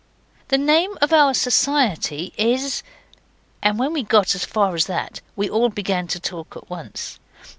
The name of our Society is And when we got as far as that we all began to talk at once.